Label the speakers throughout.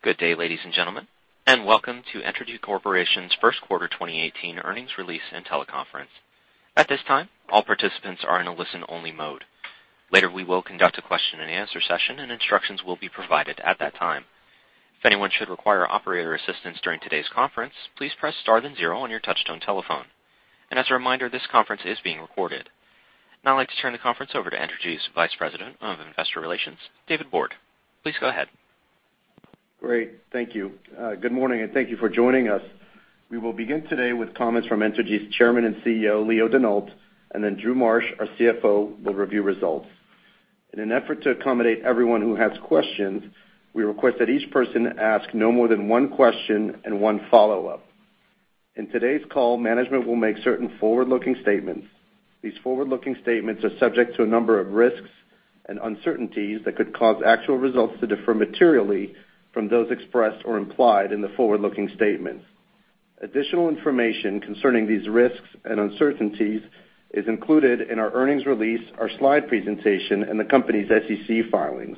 Speaker 1: Good day, ladies and gentlemen, and welcome to Entergy Corporation's first quarter 2018 earnings release and teleconference. At this time, all participants are in a listen-only mode. Later, we will conduct a question and answer session, and instructions will be provided at that time. If anyone should require operator assistance during today's conference, please press star then zero on your touchtone telephone. As a reminder, this conference is being recorded. Now I'd like to turn the conference over to Entergy's Vice President of Investor Relations, David Borde. Please go ahead.
Speaker 2: Great. Thank you. Good morning, and thank you for joining us. We will begin today with comments from Entergy's Chairman and CEO, Leo Denault, and then Drew Marsh, our CFO, will review results. In an effort to accommodate everyone who has questions, we request that each person ask no more than one question and one follow-up. In today's call, management will make certain forward-looking statements. These forward-looking statements are subject to a number of risks and uncertainties that could cause actual results to differ materially from those expressed or implied in the forward-looking statements. Additional information concerning these risks and uncertainties is included in our earnings release, our slide presentation, and the company's SEC filings.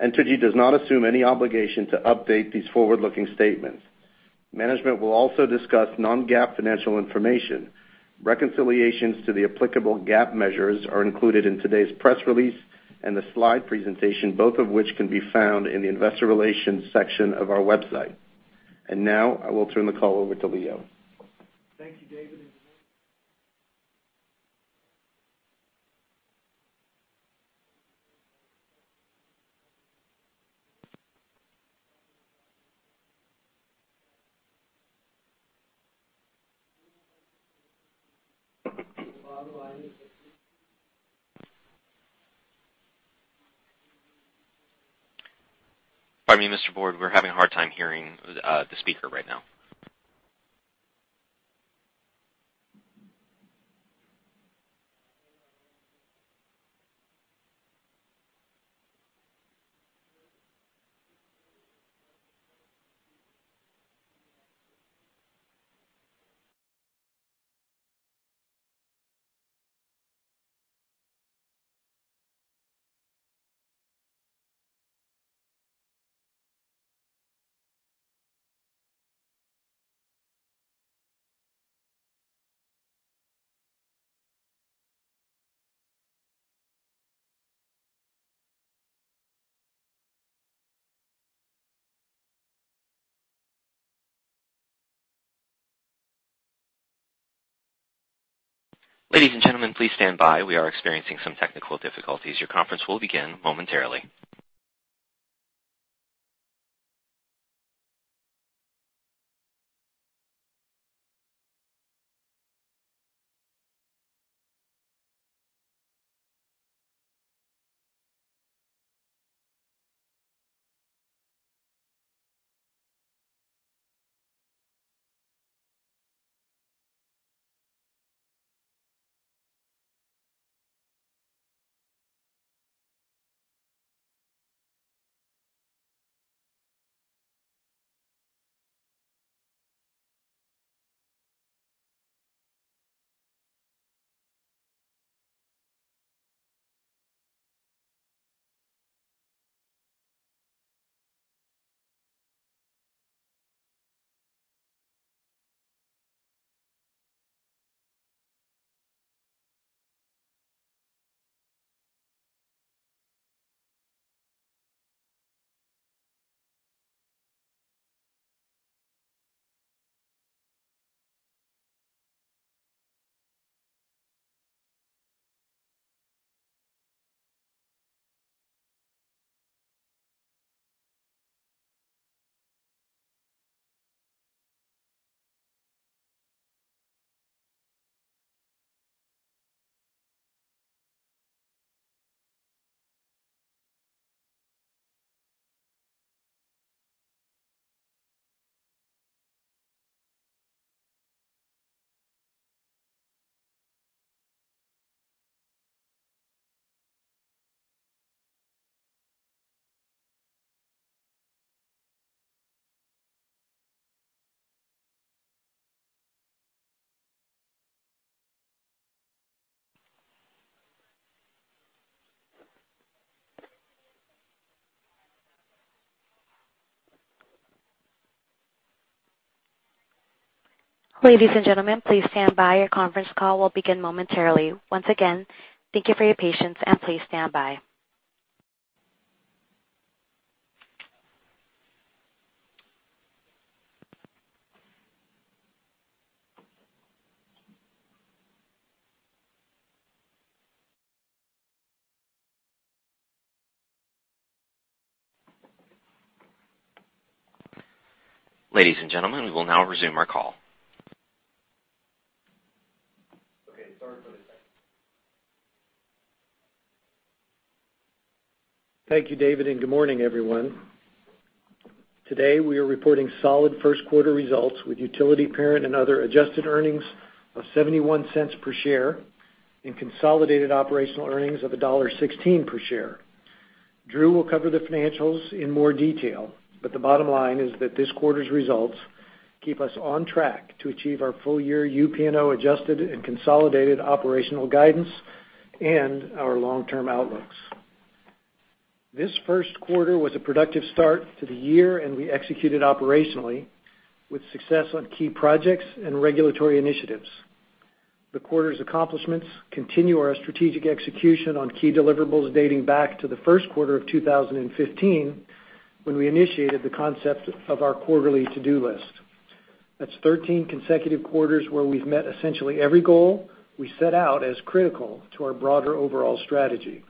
Speaker 2: Entergy does not assume any obligation to update these forward-looking statements. Management will also discuss non-GAAP financial information. Reconciliations to the applicable GAAP measures are included in today's press release and the slide presentation, both of which can be found in the investor relations section of our website. Now, I will turn the call over to Leo.
Speaker 3: Thank you, David.
Speaker 1: Pardon me, Mr. Borde, we're having a hard time hearing the speaker right now. Ladies and gentlemen, please stand by. We are experiencing some technical difficulties. Your conference will begin momentarily. Ladies and gentlemen, please stand by. Your conference call will begin momentarily. Once again, thank you for your patience. Please stand by. Ladies and gentlemen, we will now resume our call.
Speaker 3: Okay. Sorry for the second. Thank you, David. Good morning, everyone. Today, we are reporting solid first-quarter results with Utility, Parent & Other adjusted earnings of $0.71 per share and consolidated operational earnings of $1.16 per share. Drew will cover the financials in more detail. The bottom line is that this quarter's results keep us on track to achieve our full-year UPNO adjusted and consolidated operational guidance and our long-term outlooks. This first-quarter was a productive start to the year. We executed operationally with success on key projects and regulatory initiatives. The quarter's accomplishments continue our strategic execution on key deliverables dating back to the first-quarter of 2015, when we initiated the concept of our quarterly to-do list. That's 13 consecutive quarters where we've met essentially every goal we set out as critical to our broader overall strategy.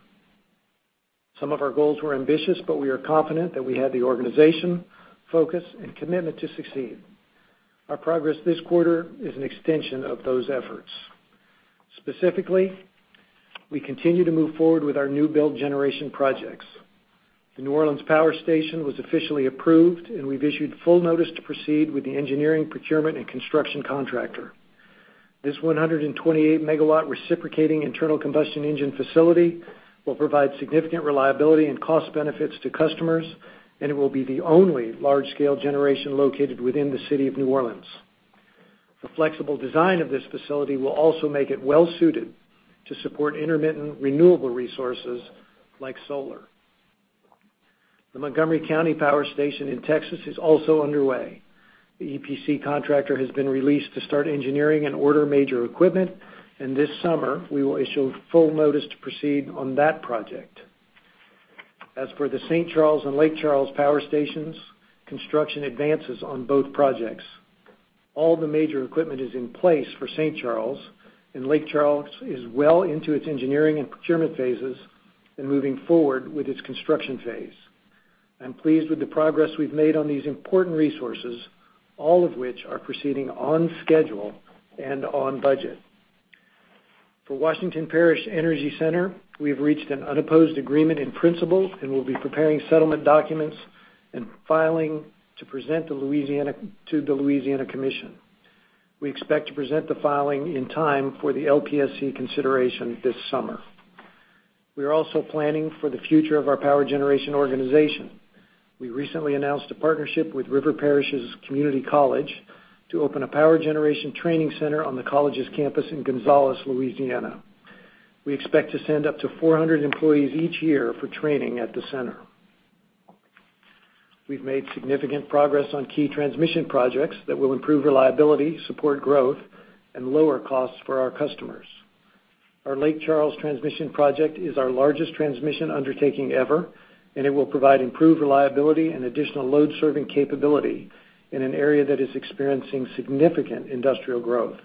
Speaker 3: Some of our goals were ambitious. We are confident that we had the organization, focus, and commitment to succeed. Our progress this quarter is an extension of those efforts. Specifically, we continue to move forward with our new build generation projects. The New Orleans Power Station was officially approved, and we've issued full notice to proceed with the engineering, procurement, and construction contractor. This 128-megawatt reciprocating internal combustion engine facility will provide significant reliability and cost benefits to customers, and it will be the only large-scale generation located within the city of New Orleans. The flexible design of this facility will also make it well-suited to support intermittent renewable resources like solar. The Montgomery County Power Station in Texas is also underway. The EPC contractor has been released to start engineering and order major equipment, and this summer, we will issue full notice to proceed on that project. As for the St. Charles and Lake Charles Power Stations, construction advances on both projects. All the major equipment is in place for St. Charles, and Lake Charles is well into its engineering and procurement phases and moving forward with its construction phase. I'm pleased with the progress we've made on these important resources, all of which are proceeding on schedule and on budget. For Washington Parish Energy Center, we have reached an unopposed agreement in principle and will be preparing settlement documents and filing to present to the Louisiana Commission. We expect to present the filing in time for the LPSC consideration this summer. We are also planning for the future of our power generation organization. We recently announced a partnership with River Parishes Community College to open a power generation training center on the college's campus in Gonzales, Louisiana. We expect to send up to 400 employees each year for training at the center. We've made significant progress on key transmission projects that will improve reliability, support growth, and lower costs for our customers. Our Lake Charles transmission project is our largest transmission undertaking ever, and it will provide improved reliability and additional load-serving capability in an area that is experiencing significant industrial growth.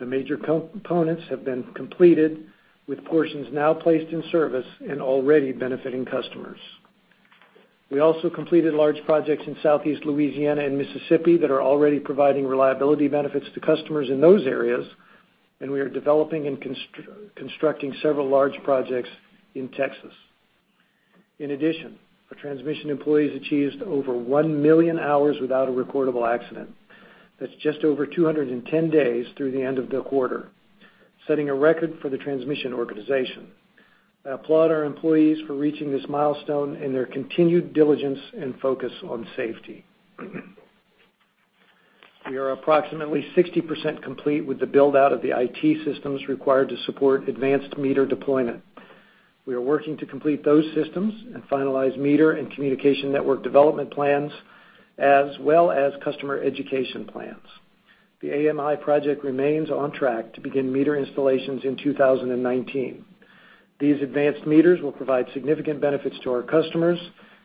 Speaker 3: The major components have been completed, with portions now placed in service and already benefiting customers. We also completed large projects in Southeast Louisiana and Mississippi that are already providing reliability benefits to customers in those areas. We are developing and constructing several large projects in Texas. In addition, our transmission employees achieved over 1 million hours without a recordable accident. That's just over 210 days through the end of the quarter, setting a record for the transmission organization. I applaud our employees for reaching this milestone and their continued diligence and focus on safety. We are approximately 60% complete with the build-out of the IT systems required to support advanced meter deployment. We are working to complete those systems and finalize meter and communication network development plans, as well as customer education plans. The AMI project remains on track to begin meter installations in 2019. These advanced meters will provide significant benefits to our customers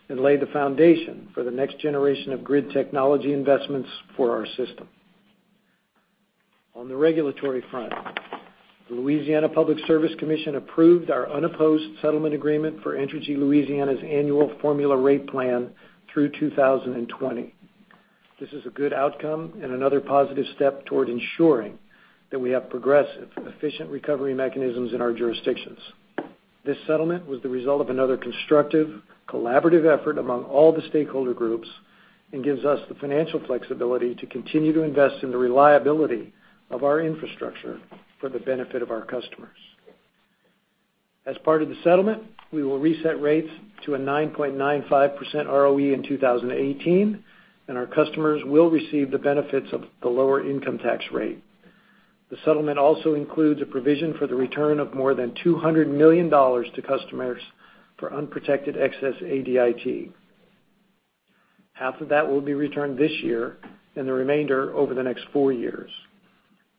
Speaker 3: and lay the foundation for the next generation of grid technology investments for our system. On the regulatory front, the Louisiana Public Service Commission approved our unopposed settlement agreement for Entergy Louisiana's annual formula rate plan through 2020. This is a good outcome and another positive step toward ensuring that we have progressive, efficient recovery mechanisms in our jurisdictions. This settlement was the result of another constructive, collaborative effort among all the stakeholder groups and gives us the financial flexibility to continue to invest in the reliability of our infrastructure for the benefit of our customers. As part of the settlement, we will reset rates to a 9.95% ROE in 2018, and our customers will receive the benefits of the lower income tax rate. The settlement also includes a provision for the return of more than $200 million to customers for unprotected excess ADIT. Half of that will be returned this year and the remainder over the next four years.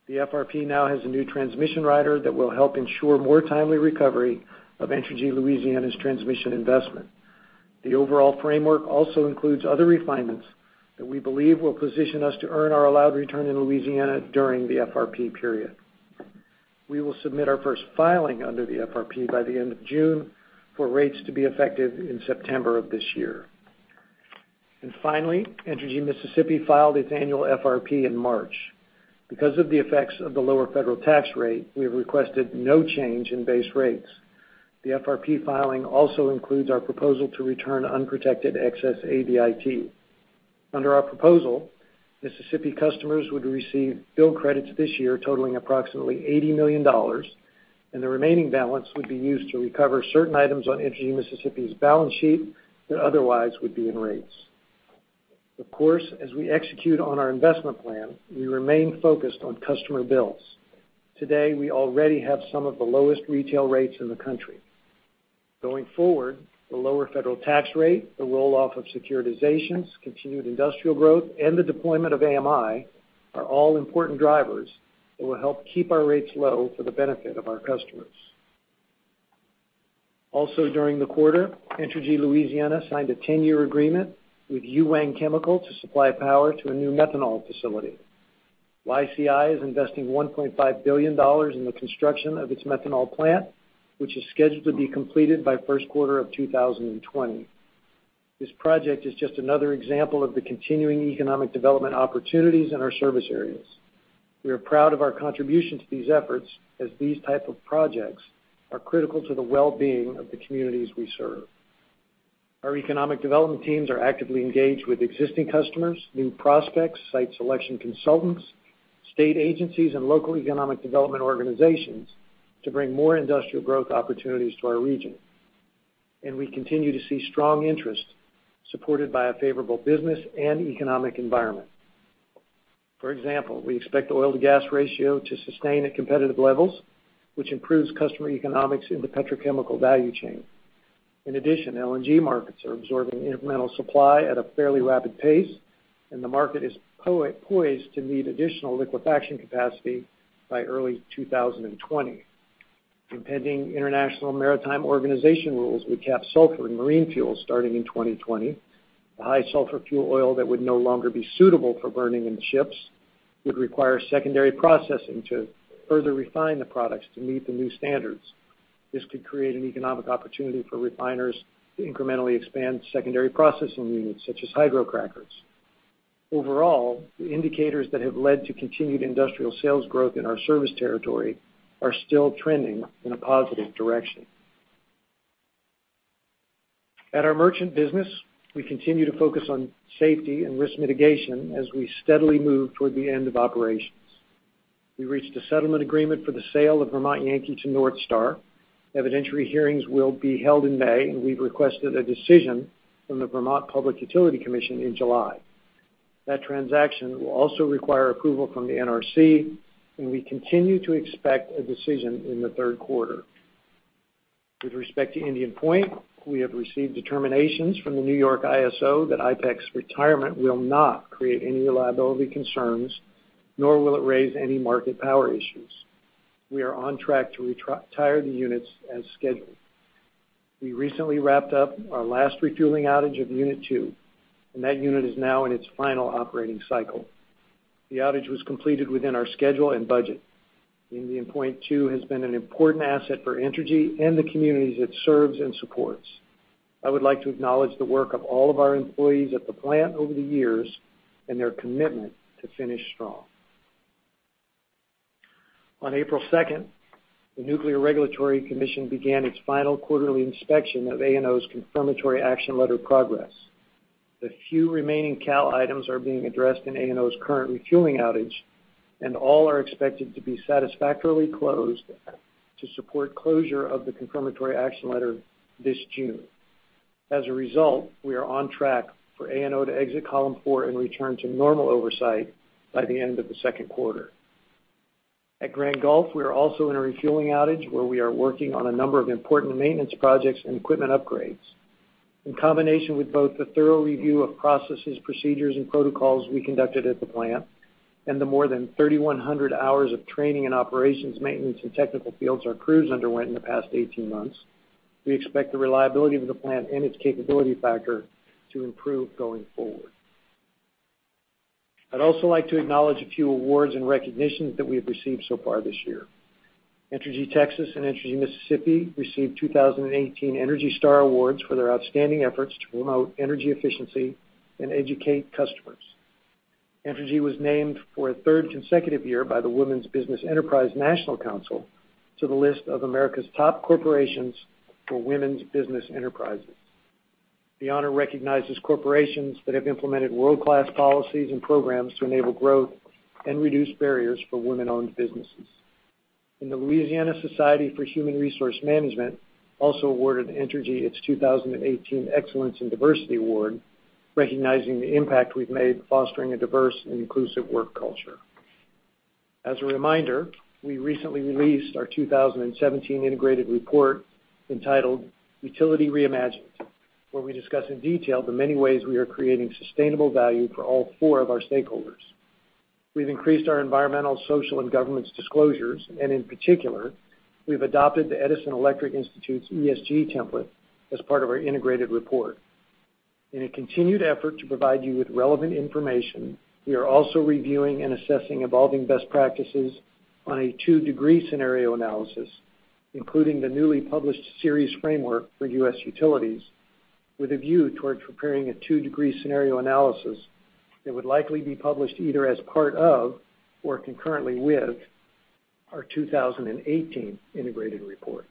Speaker 3: The FRP now has a new transmission rider that will help ensure more timely recovery of Entergy Louisiana's transmission investment. The overall framework also includes other refinements that we believe will position us to earn our allowed return in Louisiana during the FRP period. Finally, Entergy Mississippi filed its annual FRP in March. Because of the effects of the lower federal tax rate, we have requested no change in base rates. The FRP filing also includes our proposal to return unprotected excess ADIT. Under our proposal, Mississippi customers would receive bill credits this year totaling approximately $80 million, and the remaining balance would be used to recover certain items on Entergy Mississippi's balance sheet that otherwise would be in rates. Of course, as we execute on our investment plan, we remain focused on customer bills. Today, we already have some of the lowest retail rates in the country. Going forward, the lower federal tax rate, the roll-off of securitizations, continued industrial growth, and the deployment of AMI are all important drivers that will help keep our rates low for the benefit of our customers. Also during the quarter, Entergy Louisiana signed a 10-year agreement with Yuhuang Chemical to supply power to a new methanol facility. YCI is investing $1.5 billion in the construction of its methanol plant, which is scheduled to be completed by the first quarter of 2020. This project is just another example of the continuing economic development opportunities in our service areas. We are proud of our contribution to these efforts, as these type of projects are critical to the well-being of the communities we serve. Our economic development teams are actively engaged with existing customers, new prospects, site selection consultants, state agencies, and local economic development organizations to bring more industrial growth opportunities to our region. We continue to see strong interest supported by a favorable business and economic environment. For example, we expect the oil-to-gas ratio to sustain at competitive levels, which improves customer economics in the petrochemical value chain. In addition, LNG markets are absorbing incremental supply at a fairly rapid pace, and the market is poised to need additional liquefaction capacity by early 2020. Impending International Maritime Organization rules would cap sulfur in marine fuel starting in 2020. The high sulfur fuel oil that would no longer be suitable for burning in ships would require secondary processing to further refine the products to meet the new standards. This could create an economic opportunity for refiners to incrementally expand secondary processing units, such as hydrocrackers. Overall, the indicators that have led to continued industrial sales growth in our service territory are still trending in a positive direction. At our merchant business, we continue to focus on safety and risk mitigation as we steadily move toward the end of operations. We reached a settlement agreement for the sale of Vermont Yankee to NorthStar. Evidentiary hearings will be held in May, and we've requested a decision from the Vermont Public Utility Commission in July. That transaction will also require approval from the NRC, and we continue to expect a decision in the third quarter. With respect to Indian Point, we have received determinations from the New York ISO that IPEC's retirement will not create any reliability concerns, nor will it raise any market power issues. We are on track to retire the units as scheduled. We recently wrapped up our last refueling outage of unit 2, and that unit is now in its final operating cycle. The outage was completed within our schedule and budget. Indian Point 2 has been an important asset for Entergy and the communities it serves and supports. I would like to acknowledge the work of all of our employees at the plant over the years and their commitment to finish strong. On April 2nd, the Nuclear Regulatory Commission began its final quarterly inspection of ANO's confirmatory action letter progress. The few remaining CAL items are being addressed in ANO's current refueling outage, and all are expected to be satisfactorily closed to support closure of the confirmatory action letter this June. As a result, we are on track for ANO to exit Column 4 and return to normal oversight by the end of the second quarter. At Grand Gulf, we are also in a refueling outage where we are working on a number of important maintenance projects and equipment upgrades. In combination with both the thorough review of processes, procedures, and protocols we conducted at the plant, and the more than 3,100 hours of training and operations maintenance in technical fields our crews underwent in the past 18 months, we expect the reliability of the plant and its capability factor to improve going forward. I'd also like to acknowledge a few awards and recognitions that we have received so far this year. Entergy Texas and Entergy Mississippi received 2018 ENERGY STAR awards for their outstanding efforts to promote energy efficiency and educate customers. Entergy was named for a third consecutive year by the Women's Business Enterprise National Council to the list of America's top corporations for women's business enterprises. The honor recognizes corporations that have implemented world-class policies and programs to enable growth and reduce barriers for women-owned businesses. The Louisiana Society for Human Resource Management also awarded Entergy its 2018 Excellence in Diversity Award, recognizing the impact we've made fostering a diverse and inclusive work culture. As a reminder, we recently released our 2017 integrated report entitled Utility Reimagined, where we discuss in detail the many ways we are creating sustainable value for all four of our stakeholders. We've increased our environmental, social, and governance disclosures, and in particular, we've adopted the Edison Electric Institute's ESG template as part of our integrated report. In a continued effort to provide you with relevant information, we are also reviewing and assessing evolving best practices on a two-degree scenario analysis, including the newly published Ceres framework for U.S. utilities with a view towards preparing a two-degree scenario analysis that would likely be published either as part of or concurrently with our 2018 integrated report.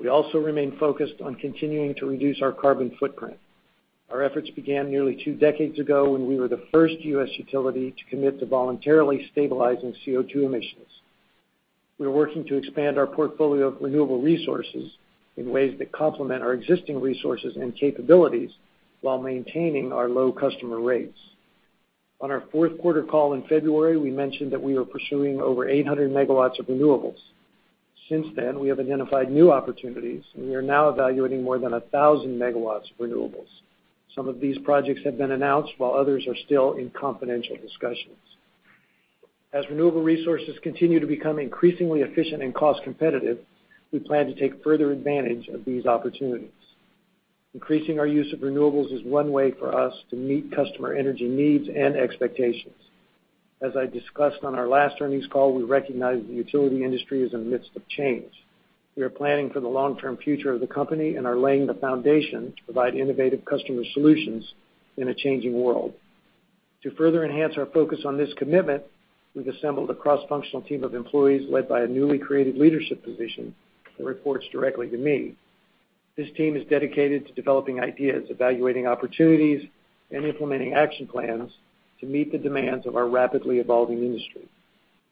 Speaker 3: We also remain focused on continuing to reduce our carbon footprint. Our efforts began nearly two decades ago when we were the first U.S. utility to commit to voluntarily stabilizing CO2 emissions. We're working to expand our portfolio of renewable resources in ways that complement our existing resources and capabilities while maintaining our low customer rates. On our fourth quarter call in February, we mentioned that we were pursuing over 800 MW of renewables. Since then, we have identified new opportunities, we are now evaluating more than 1,000 MW of renewables. Some of these projects have been announced, while others are still in confidential discussions. As renewable resources continue to become increasingly efficient and cost competitive, we plan to take further advantage of these opportunities. Increasing our use of renewables is one way for us to meet customer energy needs and expectations. As I discussed on our last earnings call, we recognize the utility industry is in the midst of change. We are planning for the long-term future of the company and are laying the foundation to provide innovative customer solutions in a changing world. To further enhance our focus on this commitment, we've assembled a cross-functional team of employees led by a newly created leadership position that reports directly to me. This team is dedicated to developing ideas, evaluating opportunities, and implementing action plans to meet the demands of our rapidly evolving industry.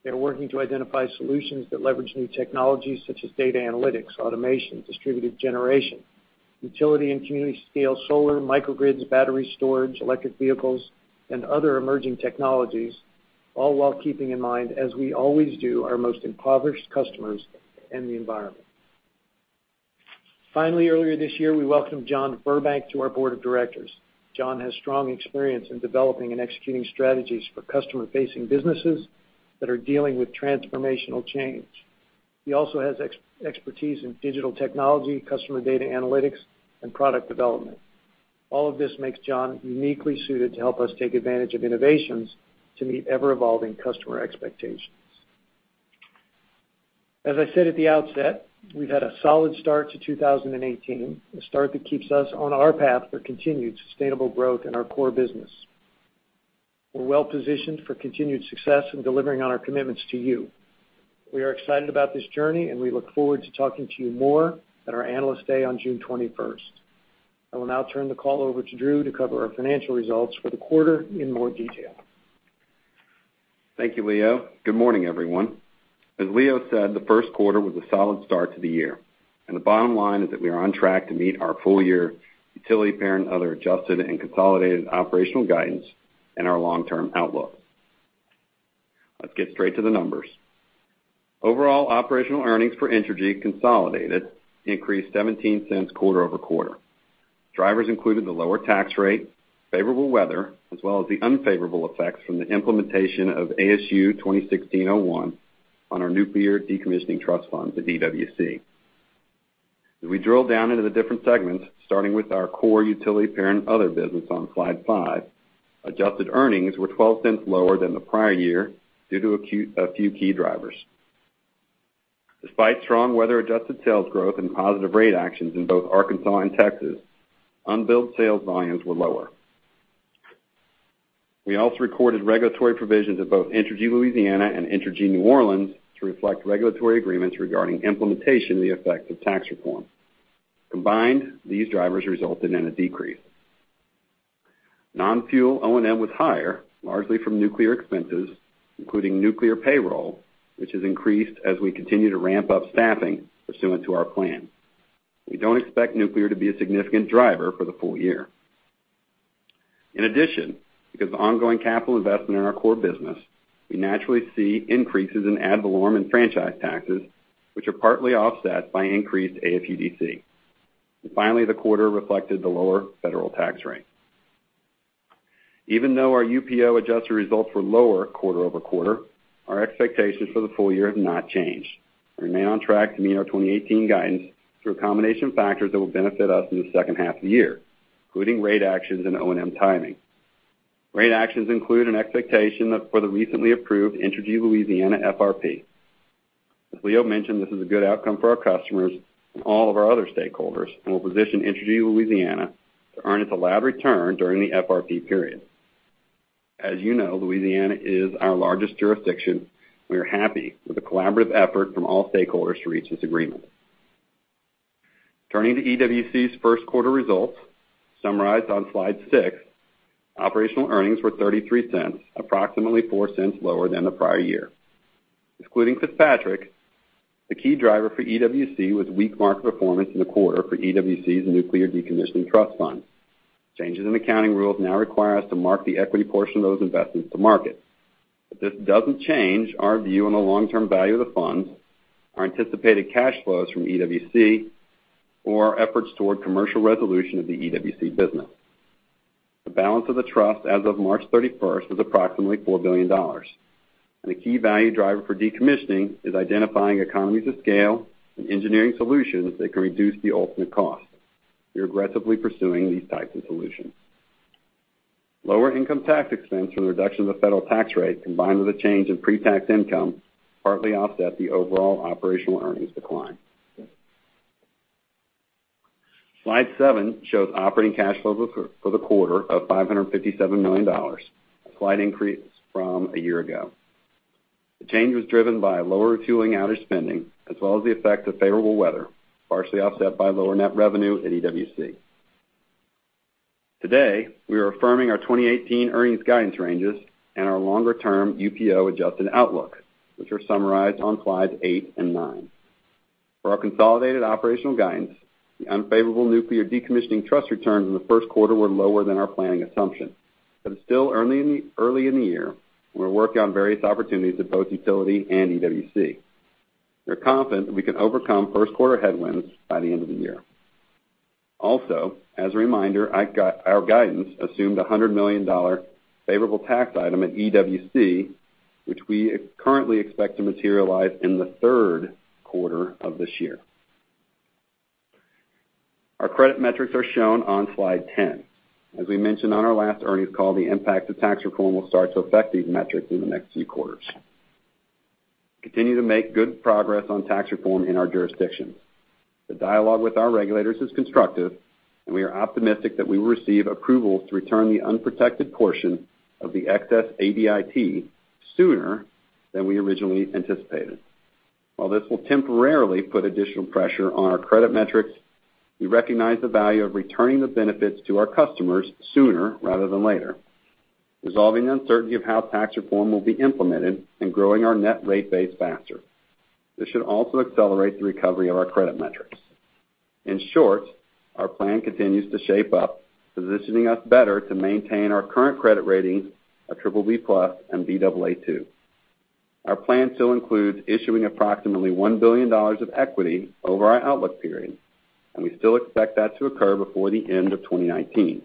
Speaker 3: They're working to identify solutions that leverage new technologies such as data analytics, automation, distributed generation, utility and community-scale solar, microgrids, battery storage, electric vehicles, and other emerging technologies, all while keeping in mind, as we always do, our most impoverished customers and the environment. Finally, earlier this year, we welcomed John Burbank to our board of directors. John has strong experience in developing and executing strategies for customer-facing businesses that are dealing with transformational change. He also has expertise in digital technology, customer data analytics, and product development. All of this makes John uniquely suited to help us take advantage of innovations to meet ever-evolving customer expectations. As I said at the outset, we've had a solid start to 2018, a start that keeps us on our path for continued sustainable growth in our core business. We're well-positioned for continued success in delivering on our commitments to you. We are excited about this journey, and we look forward to talking to you more at our Analyst Day on June 21st. I will now turn the call over to Drew to cover our financial results for the quarter in more detail.
Speaker 4: Thank you, Leo. Good morning, everyone. As Leo said, the first quarter was a solid start to the year, and the bottom line is that we are on track to meet our full-year Utility, Parent & Other adjusted and consolidated operational guidance and our long-term outlook. Let's get straight to the numbers. Overall operational earnings for Entergy consolidated increased $0.17 quarter-over-quarter. Drivers included the lower tax rate, favorable weather, as well as the unfavorable effects from the implementation of ASU 2016-01 on our nuclear decommissioning trust fund, the EWC. If we drill down into the different segments, starting with our core Utility, Parent & Other business on slide five, adjusted earnings were $0.12 lower than the prior year due to a few key drivers. Despite strong weather-adjusted sales growth and positive rate actions in both Arkansas and Texas, unbilled sales volumes were lower. We also recorded regulatory provisions at both Entergy Louisiana and Entergy New Orleans to reflect regulatory agreements regarding implementation of the effects of tax reform. Combined, these drivers resulted in a decrease. Non-fuel O&M was higher, largely from nuclear expenses, including nuclear payroll, which has increased as we continue to ramp up staffing pursuant to our plan. We don't expect nuclear to be a significant driver for the full year. In addition, because of ongoing capital investment in our core business, we naturally see increases in ad valorem and franchise taxes, which are partly offset by increased AFUDC. Finally, the quarter reflected the lower federal tax rate. Even though our UPNO adjusted results were lower quarter-over-quarter, our expectations for the full year have not changed. We remain on track to meet our 2018 guidance through a combination of factors that will benefit us in the second half of the year, including rate actions and O&M timing. Rate actions include an expectation for the recently approved Entergy Louisiana FRP. As Leo mentioned, this is a good outcome for our customers and all of our other stakeholders, and will position Entergy Louisiana to earn its allowed return during the FRP period. As you know, Louisiana is our largest jurisdiction. We are happy with the collaborative effort from all stakeholders to reach this agreement. Turning to EWC's first quarter results, summarized on slide six, operational earnings were $0.33, approximately $0.04 lower than the prior year. Excluding FitzPatrick, the key driver for EWC was weak market performance in the quarter for EWC's nuclear decommissioning trust fund. Changes in accounting rules now require us to mark the equity portion of those investments to market. This doesn't change our view on the long-term value of the funds, our anticipated cash flows from EWC, or our efforts toward commercial resolution of the EWC business. The balance of the trust as of March 31st was approximately $4 billion, and a key value driver for decommissioning is identifying economies of scale and engineering solutions that can reduce the ultimate cost. We are aggressively pursuing these types of solutions. Lower income tax expense from the reduction of the federal tax rate, combined with a change in pre-tax income, partly offset the overall operational earnings decline. Slide seven shows operating cash flow for the quarter of $557 million, a slight increase from a year ago. The change was driven by lower refueling outage spending, as well as the effect of favorable weather, partially offset by lower net revenue at EWC. Today, we are affirming our 2018 earnings guidance ranges and our longer-term UPNO adjusted outlook, which are summarized on slides eight and nine. For our consolidated operational guidance, the unfavorable nuclear decommissioning trust returns in the first quarter were lower than our planning assumption. It's still early in the year, and we're working on various opportunities at both Utility and EWC. We're confident we can overcome first quarter headwinds by the end of the year. Also, as a reminder, our guidance assumed a $100 million favorable tax item at EWC, which we currently expect to materialize in the third quarter of this year. Our credit metrics are shown on slide 10. As we mentioned on our last earnings call, the impact of tax reform will start to affect these metrics in the next few quarters. We continue to make good progress on tax reform in our jurisdictions. The dialogue with our regulators is constructive, and we are optimistic that we will receive approvals to return the unprotected portion of the excess ADIT sooner than we originally anticipated. While this will temporarily put additional pressure on our credit metrics, we recognize the value of returning the benefits to our customers sooner rather than later, resolving the uncertainty of how tax reform will be implemented, and growing our net rate base faster. This should also accelerate the recovery of our credit metrics. In short, our plan continues to shape up, positioning us better to maintain our current credit rating of BBB+ and Baa2. Our plan still includes issuing approximately $1 billion of equity over our outlook period, and we still expect that to occur before the end of 2019.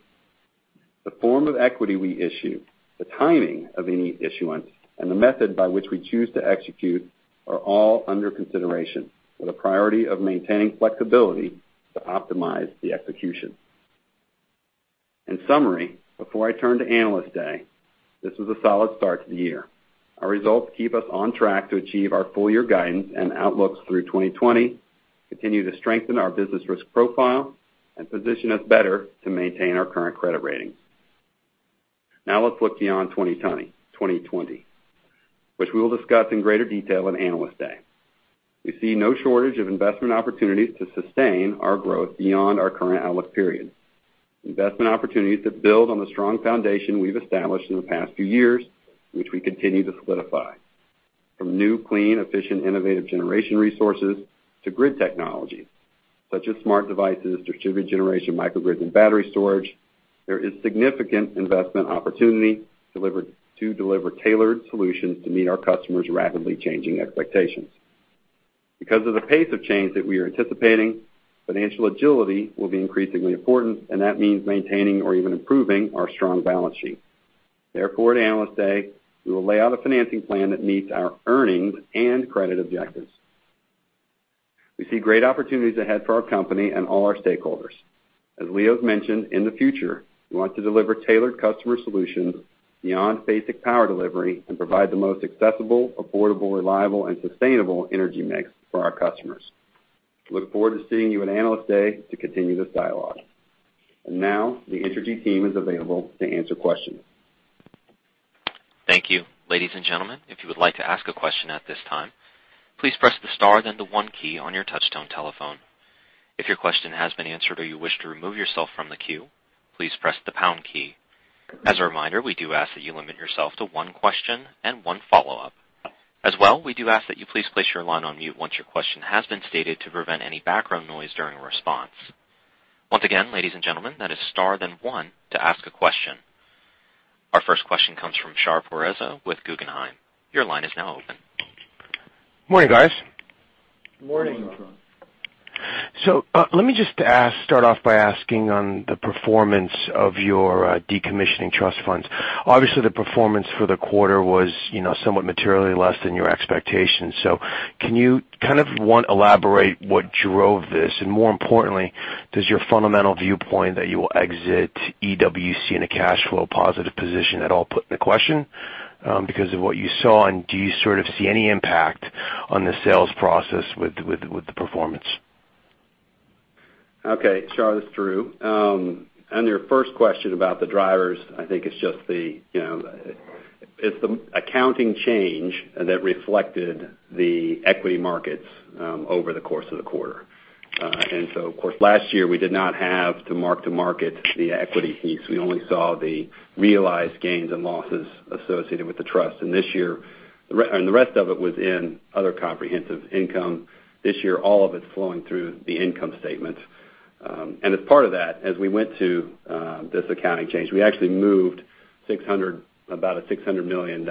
Speaker 4: The form of equity we issue, the timing of any issuance, and the method by which we choose to execute are all under consideration, with a priority of maintaining flexibility to optimize the execution. In summary, before I turn to Analyst Day, this was a solid start to the year. Our results keep us on track to achieve our full-year guidance and outlooks through 2020, continue to strengthen our business risk profile, and position us better to maintain our current credit ratings. Now let's look beyond 2020, which we will discuss in greater detail on Analyst Day. We see no shortage of investment opportunities to sustain our growth beyond our current outlook period. Investment opportunities that build on the strong foundation we've established in the past few years, which we continue to solidify. From new, clean, efficient, innovative generation resources to grid technology, such as smart devices, distributed generation microgrids, and battery storage, there is significant investment opportunity to deliver tailored solutions to meet our customers' rapidly changing expectations. Because of the pace of change that we are anticipating, financial agility will be increasingly important, and that means maintaining or even improving our strong balance sheet. Therefore, at Analyst Day, we will lay out a financing plan that meets our earnings and credit objectives. We see great opportunities ahead for our company and all our stakeholders. As Leo's mentioned, in the future, we want to deliver tailored customer solutions beyond basic power delivery and provide the most accessible, affordable, reliable, and sustainable energy mix for our customers. We look forward to seeing you at Analyst Day to continue this dialogue. Now, the Entergy team is available to answer questions.
Speaker 1: Thank you. Ladies and gentlemen, if you would like to ask a question at this time, please press the star then the one key on your touch-tone telephone. If your question has been answered or you wish to remove yourself from the queue, please press the pound key. A reminder, we do ask that you limit yourself to one question and one follow-up. Well, we do ask that you please place your line on mute once your question has been stated to prevent any background noise during a response. Again, ladies and gentlemen, that is star then one to ask a question. Our first question comes from Shar Pourreza with Guggenheim. Your line is now open.
Speaker 5: Morning, guys.
Speaker 4: Morning.
Speaker 5: Let me just start off by asking on the performance of your decommissioning trust funds. Obviously, the performance for the quarter was somewhat materially less than your expectations. Can you elaborate what drove this? More importantly, does your fundamental viewpoint that you will exit EWC in a cash flow positive position at all put in the question because of what you saw? Do you see any impact on the sales process with the performance?
Speaker 4: Okay. Shar, this is Drew. On your first question about the drivers, I think it's the accounting change that reflected the equity markets over the course of the quarter. Of course, last year, we did not have to mark-to-market the equity hedges. We only saw the realized gains and losses associated with the trust. The rest of it was in other comprehensive income. This year, all of it's flowing through the income statement. As part of that, as we went to this accounting change, we actually moved about a $600 million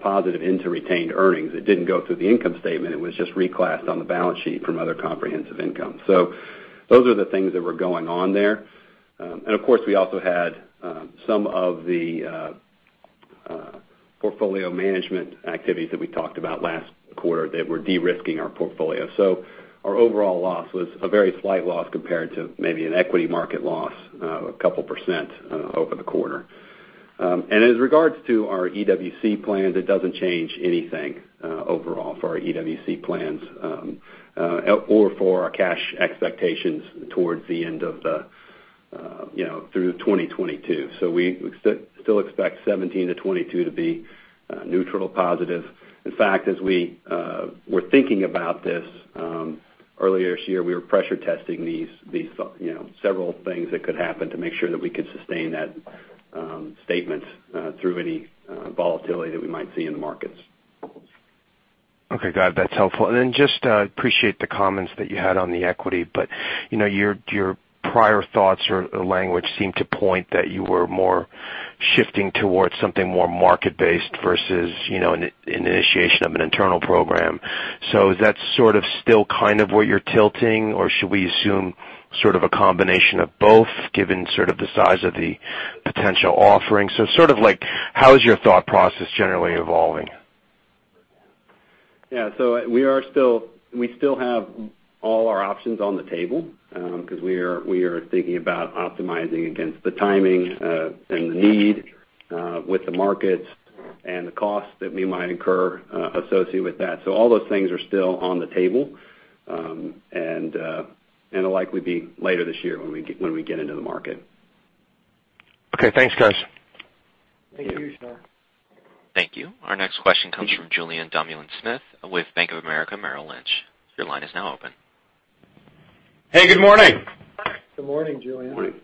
Speaker 4: positive into retained earnings. It didn't go through the income statement. It was just reclassed on the balance sheet from other comprehensive income. Those are the things that were going on there. Of course, we also had some of the portfolio management activities that we talked about last quarter that we're de-risking our portfolio. Our overall loss was a very slight loss compared to maybe an equity market loss of a couple % over the quarter. As regards to our EWC plans, it doesn't change anything overall for our EWC plans or for our cash expectations towards the end of 2022. We still expect 2017 to 2022 to be neutral positive. In fact, as we were thinking about this earlier this year, we were pressure testing these several things that could happen to make sure that we could sustain that statement through any volatility that we might see in the markets.
Speaker 5: Okay, got it. That's helpful. Just appreciate the comments that you had on the equity, your prior thoughts or language seem to point that you were more shifting towards something more market-based versus an initiation of an internal program. Is that sort of still kind of where you're tilting, or should we assume sort of a combination of both, given sort of the size of the potential offering? How is your thought process generally evolving?
Speaker 4: Yeah. We still have all our options on the table, because we are thinking about optimizing against the timing and the need with the markets and the cost that we might incur associated with that. All those things are still on the table, and it'll likely be later this year when we get into the market.
Speaker 5: Okay, thanks, guys.
Speaker 6: Thank you.
Speaker 1: Thank you. Our next question comes from Julien Dumoulin-Smith with Bank of America Merrill Lynch. Your line is now open.
Speaker 7: Hey, good morning.
Speaker 6: Good morning, Julien.
Speaker 4: Morning.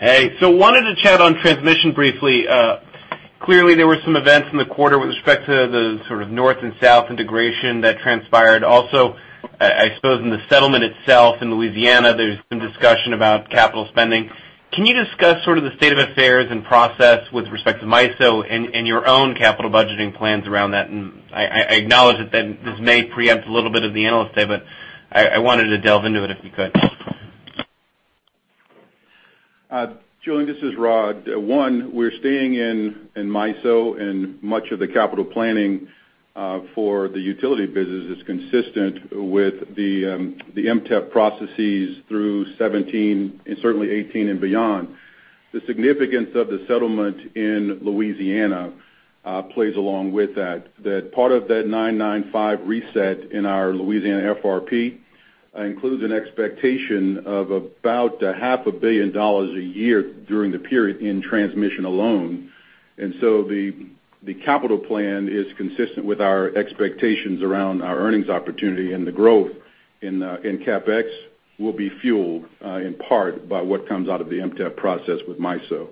Speaker 7: Hey. Wanted to chat on transmission briefly. Clearly, there were some events in the quarter with respect to the sort of north and south integration that transpired. Also, I suppose in the settlement itself in Louisiana, there's been discussion about capital spending. Can you discuss sort of the state of affairs and process with respect to MISO and your own capital budgeting plans around that? I acknowledge that this may preempt a little bit of the analyst day, but I wanted to delve into it, if you could.
Speaker 6: Julien, this is Rod. One, we're staying in MISO, and much of the capital planning for the utility business is consistent with the MTEP processes through 2017 and certainly 2018 and beyond. The significance of the settlement in Louisiana plays along with that part of that 995 reset in our Louisiana FRP includes an expectation of about a half a billion dollars a year during the period in transmission alone. The capital plan is consistent with our expectations around our earnings opportunity, and the growth in CapEx will be fueled in part by what comes out of the MTEP process with MISO.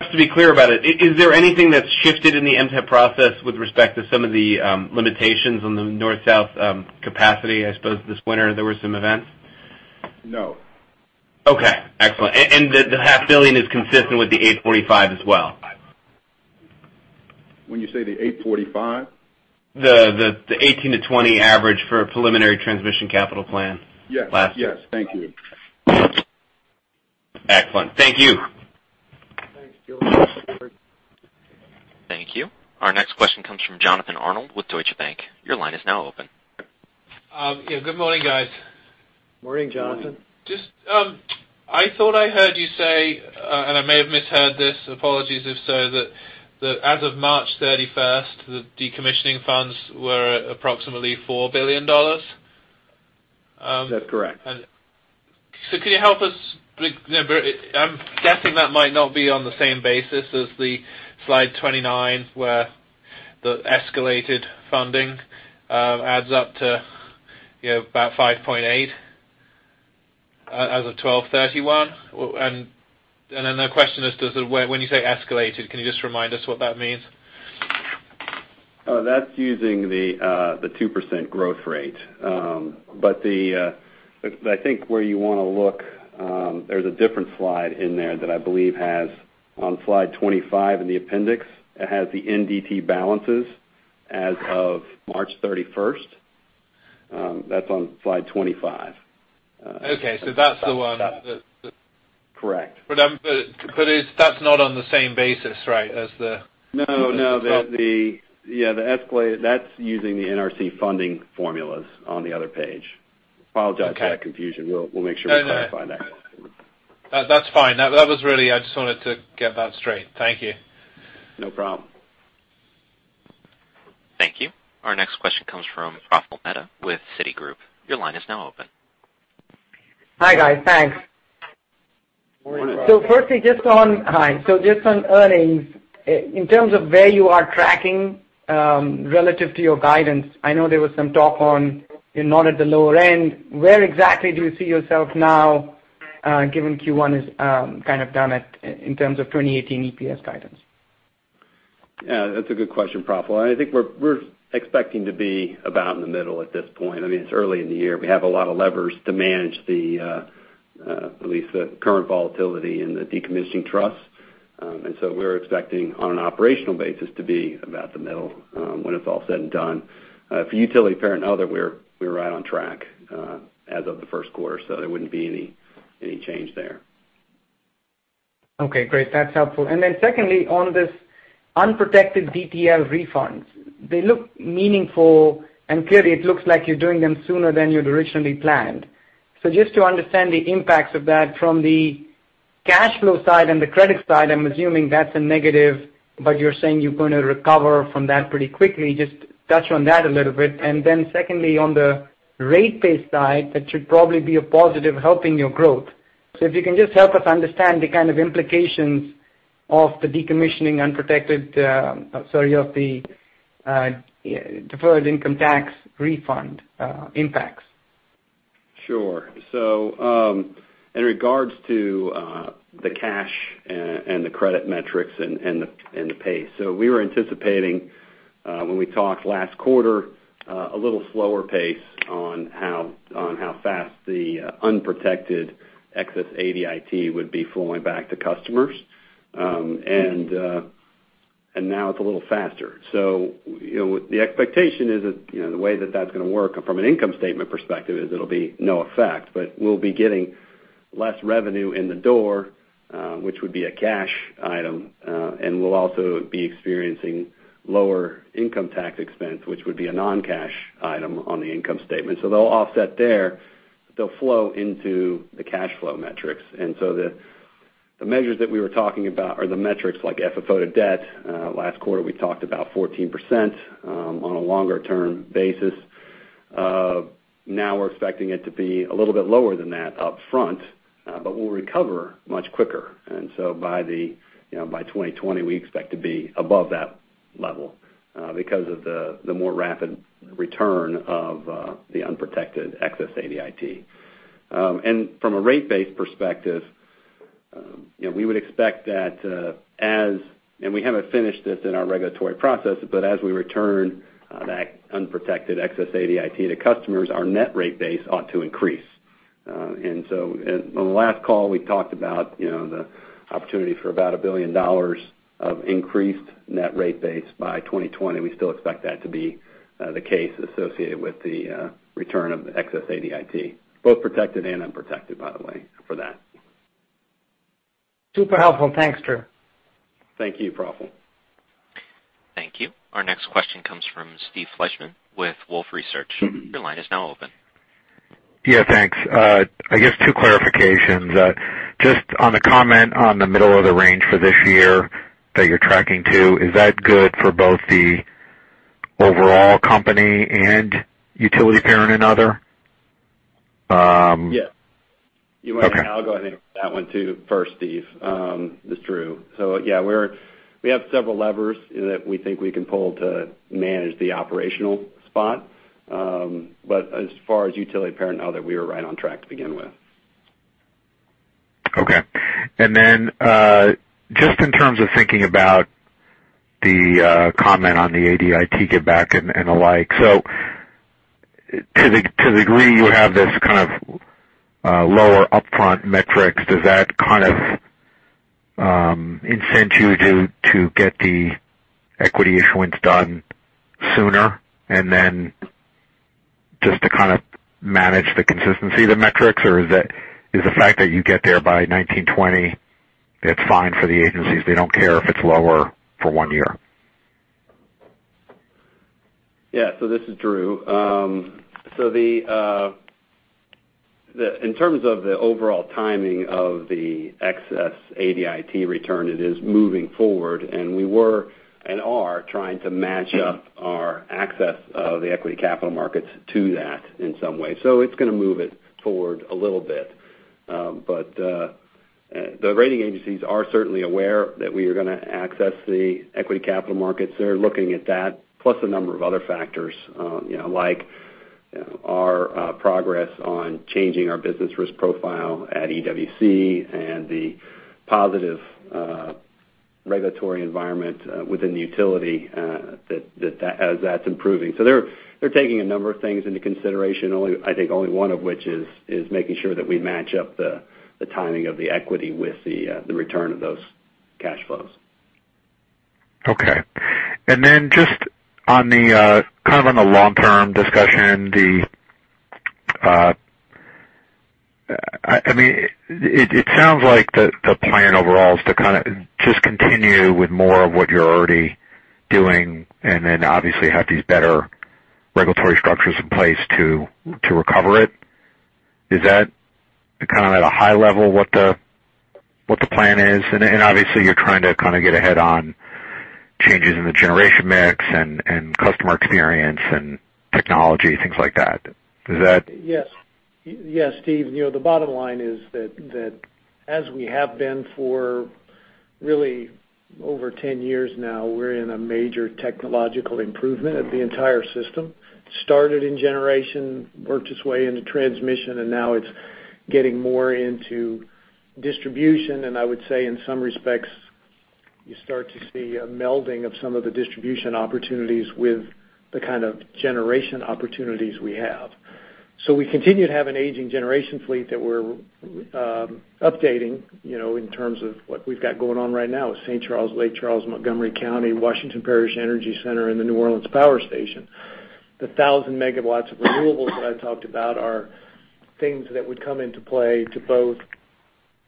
Speaker 7: Just to be clear about it, is there anything that's shifted in the MTEP process with respect to some of the limitations on the north-south capacity? I suppose this winter there were some events.
Speaker 6: No.
Speaker 7: Okay. Excellent. The half billion is consistent with the $845 as well?
Speaker 6: When you say the $845?
Speaker 7: The 2018-2020 average for preliminary transmission capital plan-
Speaker 6: Yes
Speaker 7: last year.
Speaker 6: Yes. Thank you.
Speaker 7: Excellent. Thank you.
Speaker 6: Thanks, Julien.
Speaker 1: Thank you. Our next question comes from Jonathan Arnold with Deutsche Bank. Your line is now open.
Speaker 8: Yeah, good morning, guys.
Speaker 6: Morning, Jonathan.
Speaker 4: Morning.
Speaker 8: Just, I thought I heard you say, and I may have misheard this, apologies if so, that as of March 31st, the decommissioning funds were approximately $4 billion.
Speaker 4: That's correct.
Speaker 8: Can you help us? I'm guessing that might not be on the same basis as the slide 29, where the escalated funding adds up to about $5.8 as of 12/31. The question is, when you say escalated, can you just remind us what that means?
Speaker 4: That's using the 2% growth rate. I think where you want to look, there's a different slide in there that I believe has on slide 25 in the appendix, it has the NDT balances as of March 31st. That's on slide 25.
Speaker 8: Okay. That's the one.
Speaker 4: Correct.
Speaker 8: That's not on the same basis, right?
Speaker 4: No, no. That's using the NRC funding formulas on the other page.
Speaker 8: Okay.
Speaker 4: Apologize for that confusion. We'll make sure to clarify that.
Speaker 8: No, that's fine. I just wanted to get that straight. Thank you.
Speaker 4: No problem.
Speaker 1: Thank you. Our next question comes from Praful Mehta with Citigroup. Your line is now open.
Speaker 9: Hi, guys. Thanks.
Speaker 6: Morning.
Speaker 4: Morning.
Speaker 9: Firstly, just on earnings, in terms of where you are tracking relative to your guidance, I know there was some talk on you're not at the lower end. Where exactly do you see yourself now, given Q1 is kind of done at in terms of 2018 EPS guidance?
Speaker 4: Yeah, that's a good question, Praful. I mean, I think we're expecting to be about in the middle at this point. It's early in the year. We have a lot of levers to manage at least the current volatility in the decommissioning trust. So we're expecting on an operational basis to be about the middle when it's all said and done. For utility, parent, other, we're right on track as of the first quarter, so there wouldn't be any change there.
Speaker 9: Okay, great. That's helpful. Secondly, on this unprotected ADIT refunds, they look meaningful, and clearly, it looks like you're doing them sooner than you'd originally planned. Just to understand the impacts of that from the Cash flow side and the credit side, I'm assuming that's a negative, but you're saying you're going to recover from that pretty quickly. Just touch on that a little bit. Secondly, on the rate base side, that should probably be a positive helping your growth. If you can just help us understand the kind of implications of the deferred income tax refund impacts.
Speaker 4: Sure. In regards to the cash and the credit metrics and the pace. We were anticipating, when we talked last quarter, a little slower pace on how fast the unprotected excess ADIT would be flowing back to customers. Now it's a little faster. The expectation is that the way that's going to work from an income statement perspective is it'll be no effect, but we'll be getting less revenue in the door, which would be a cash item. We'll also be experiencing lower income tax expense, which would be a non-cash item on the income statement. They'll offset there. They'll flow into the cash flow metrics. The measures that we were talking about are the metrics like FFO to debt. Last quarter, we talked about 14% on a longer-term basis. Now we're expecting it to be a little bit lower than that up front, but we'll recover much quicker. By 2020, we expect to be above that level because of the more rapid return of the unprotected excess ADIT. From a rate base perspective, we would expect that as, and we haven't finished this in our regulatory process, but as we return that unprotected excess ADIT to customers, our net rate base ought to increase. On the last call, we talked about the opportunity for about $1 billion of increased net rate base by 2020. We still expect that to be the case associated with the return of the excess ADIT, both protected and unprotected, by the way, for that.
Speaker 9: Super helpful. Thanks, Drew.
Speaker 4: Thank you, Praful.
Speaker 1: Thank you. Our next question comes from Steve Fleishman with Wolfe Research. Your line is now open.
Speaker 10: Yeah, thanks. I guess two clarifications. Just on the comment on the middle of the range for this year that you're tracking to, is that good for both the overall company and utility parent and other?
Speaker 4: Yes.
Speaker 10: Okay.
Speaker 4: You want Al to go ahead and answer that one, too, first, Steve? This is Drew. Yeah, we have several levers that we think we can pull to manage the operational spot. As far as utility parent and other, we were right on track to begin with.
Speaker 10: Okay. Just in terms of thinking about the comment on the ADIT get back and the like. To the degree you have this kind of lower upfront metrics, does that kind of incent you to get the equity issuance done sooner and then just to kind of manage the consistency of the metrics? Or is the fact that you get there by 2019, 2020, it's fine for the agencies? They don't care if it's lower for one year.
Speaker 4: Yeah. This is Drew. In terms of the overall timing of the excess ADIT return, it is moving forward, and we were and are trying to match up our access of the equity capital markets to that in some way. It's going to move it forward a little bit. The rating agencies are certainly aware that we are going to access the equity capital markets. They're looking at that, plus a number of other factors like our progress on changing our business risk profile at EWC and the positive regulatory environment within the utility as that's improving. They're taking a number of things into consideration, I think only one of which is making sure that we match up the timing of the equity with the return of those cash flows.
Speaker 10: Okay. Just on the long-term discussion. It sounds like the plan overall is to kind of just continue with more of what you're already doing and then obviously have these better regulatory structures in place to recover it. Is that kind of at a high level what the plan is? And obviously, you're trying to kind of get ahead on changes in the generation mix and customer experience and technology, things like that. Is that
Speaker 3: Yes. Yes, Steve. The bottom line is that as we have been for really over 10 years now, we're in a major technological improvement of the entire system. It started in generation, worked its way into transmission, and now it's getting more into distribution. I would say in some respects, you start to see a melding of some of the distribution opportunities with the kind of generation opportunities we have. We continue to have an aging generation fleet that we're updating in terms of what we've got going on right now with St. Charles, Lake Charles, Montgomery County, Washington Parish Energy Center, and the New Orleans Power Station. The 1,000 megawatts of renewables that I talked about are things that would come into play to both,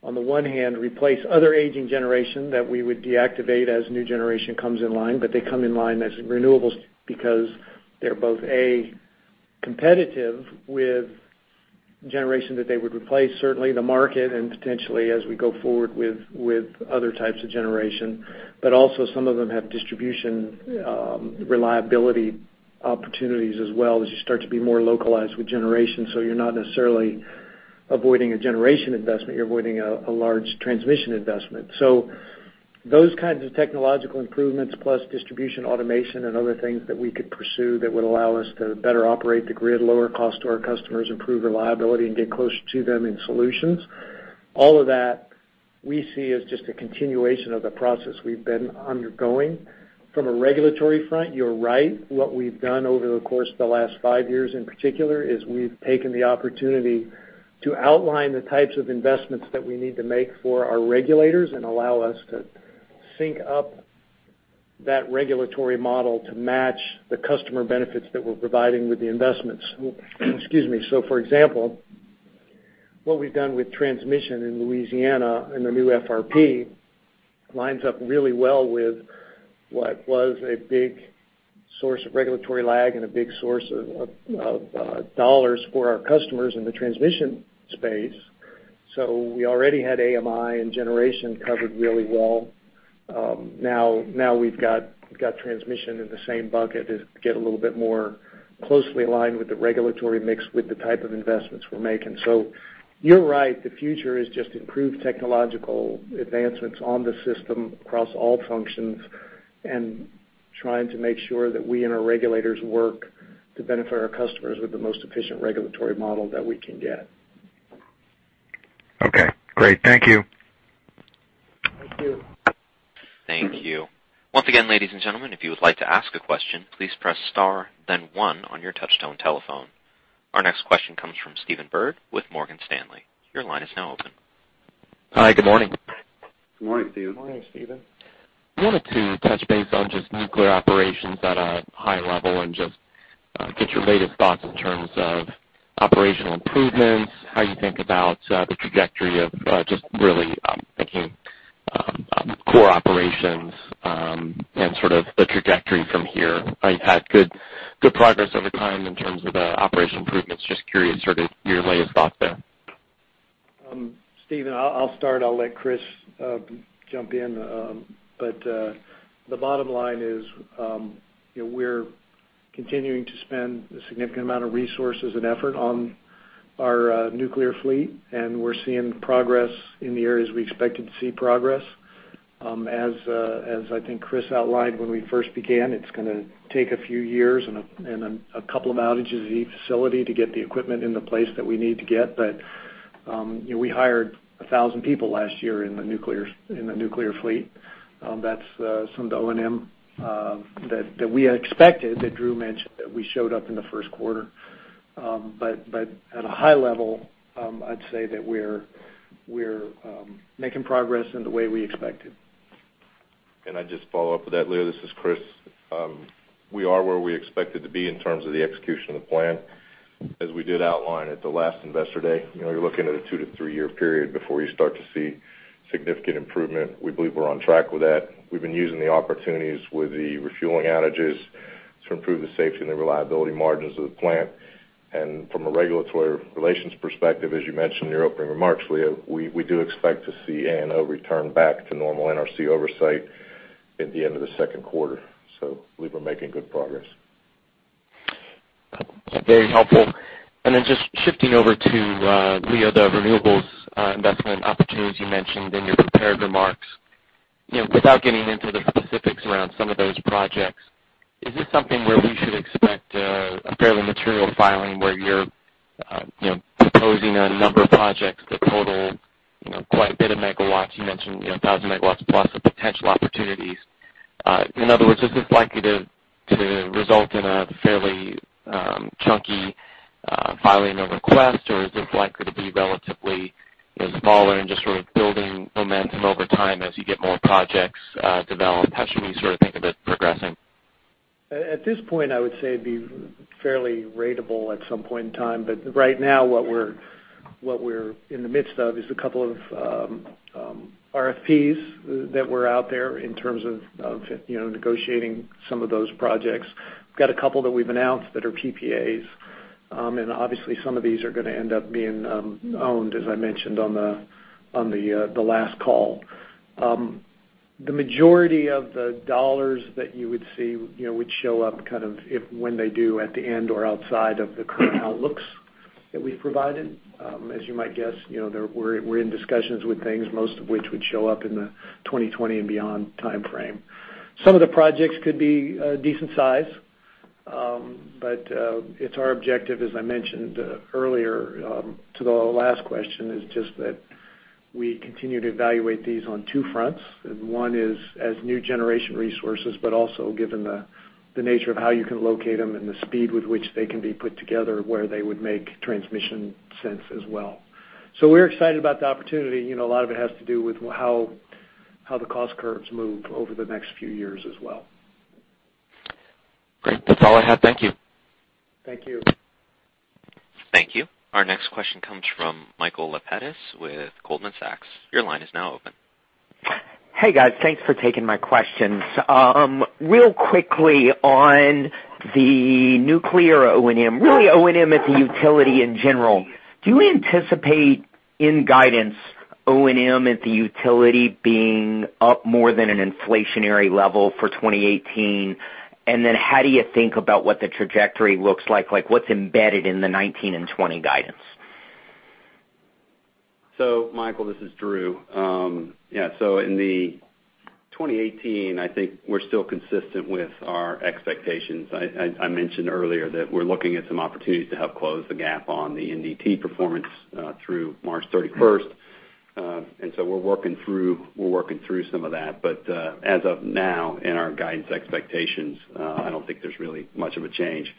Speaker 3: on the one hand, replace other aging generation that we would deactivate as new generation comes in line, they come in line as renewables because they're both competitive with generation that they would replace, certainly the market and potentially as we go forward with other types of generation. Also some of them have distribution reliability opportunities as well as you start to be more localized with generation. You're not necessarily avoiding a generation investment, you're avoiding a large transmission investment. Those kinds of technological improvements, plus distribution automation and other things that we could pursue that would allow us to better operate the grid, lower cost to our customers, improve reliability, and get closer to them in solutions. All of that we see as just a continuation of the process we've been undergoing. From a regulatory front, you're right. What we've done over the course of the last 5 years in particular, is we've taken the opportunity to outline the types of investments that we need to make for our regulators, and allow us to sync up that regulatory model to match the customer benefits that we're providing with the investments. Excuse me. For example, what we've done with transmission in Louisiana and the new FRP lines up really well with what was a big source of regulatory lag and a big source of dollars for our customers in the transmission space. We already had AMI and generation covered really well. Now we've got transmission in the same bucket as we get a little bit more closely aligned with the regulatory mix, with the type of investments we're making. You're right, the future is just improved technological advancements on the system across all functions, and trying to make sure that we and our regulators work to benefit our customers with the most efficient regulatory model that we can get.
Speaker 10: Okay, great. Thank you.
Speaker 3: Thank you.
Speaker 1: Thank you. Once again, ladies and gentlemen, if you would like to ask a question, please press star then one on your touchtone telephone. Our next question comes from Stephen Byrd with Morgan Stanley. Your line is now open.
Speaker 11: Hi, good morning.
Speaker 3: Good morning, Stephen.
Speaker 11: Wanted to touch base on just nuclear operations at a high level and just get your latest thoughts in terms of operational improvements, how you think about the trajectory of just really thinking core operations, and sort of the trajectory from here. I've had good progress over time in terms of the operation improvements. Just curious, sort of your latest thoughts there.
Speaker 3: Stephen, I'll start. I'll let Chris jump in. The bottom line is we're continuing to spend a significant amount of resources and effort on our nuclear fleet, we're seeing progress in the areas we expected to see progress. As I think Chris outlined when we first began, it's going to take a few years and a couple of outages at each facility to get the equipment into place that we need to get. We hired 1,000 people last year in the nuclear fleet. That's some of the O&M that we had expected, that Drew mentioned, that we showed up in the first quarter. At a high level, I'd say that we're making progress in the way we expected.
Speaker 12: Can I just follow up with that, Leo? This is Chris. We are where we expected to be in terms of the execution of the plan. As we did outline at the last Investor Day, you're looking at a two- to three-year period before you start to see significant improvement. We believe we're on track with that. We've been using the opportunities with the refueling outages to improve the safety and the reliability margins of the plant. From a regulatory relations perspective, as you mentioned in your opening remarks, Leo, we do expect to see ANO return back to normal NRC oversight at the end of the second quarter. Believe we're making good progress.
Speaker 11: Very helpful. Then just shifting over to, Leo, the renewables investment opportunities you mentioned in your prepared remarks. Without getting into the specifics around some of those projects, is this something where we should expect a fairly material filing, where you're proposing a number of projects that total quite a bit of megawatts? You mentioned 1,000 megawatts plus of potential opportunities. In other words, is this likely to result in a fairly chunky filing of requests, or is this likely to be relatively smaller and just sort of building momentum over time as you get more projects developed? How should we think of it progressing?
Speaker 3: At this point, I would say it'd be fairly ratable at some point in time. Right now, what we're in the midst of is a couple of RFPs that were out there in terms of negotiating some of those projects. We've got a couple that we've announced that are PPAs. Obviously, some of these are going to end up being owned, as I mentioned on the last call. The majority of the dollars that you would see would show up if and when they do at the end or outside of the current outlooks that we've provided. As you might guess, we're in discussions with things, most of which would show up in the 2020 and beyond timeframe. Some of the projects could be a decent size. It's our objective, as I mentioned earlier to the last question, is just that we continue to evaluate these on two fronts. One is as new generation resources, but also given the nature of how you can locate them and the speed with which they can be put together, where they would make transmission sense as well. We're excited about the opportunity. A lot of it has to do with how the cost curves move over the next few years as well.
Speaker 11: Great. That's all I have. Thank you.
Speaker 3: Thank you.
Speaker 1: Thank you. Our next question comes from Michael Lapides with Goldman Sachs. Your line is now open.
Speaker 13: Hey, guys. Thanks for taking my questions. Real quickly on the Nuclear O&M, really O&M at the utility in general. Do you anticipate in guidance O&M at the utility being up more than an inflationary level for 2018? How do you think about what the trajectory looks like? Like what's embedded in the 2019 and 2020 guidance?
Speaker 4: Michael, this is Drew. Yeah. In the 2018, I think we're still consistent with our expectations. I mentioned earlier that we're looking at some opportunities to help close the gap on the NDT performance through March 31st. We're working through some of that. As of now, in our guidance expectations, I don't think there's really much of a change.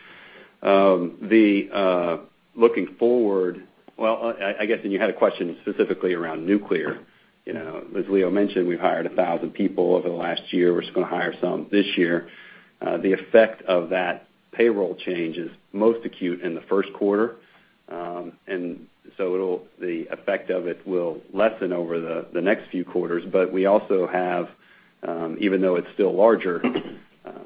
Speaker 4: Looking forward, I guess, you had a question specifically around nuclear. As Leo mentioned, we've hired 1,000 people over the last year. We're going to hire some this year. The effect of that payroll change is most acute in the first quarter. The effect of it will lessen over the next few quarters. We also have, even though it's still larger,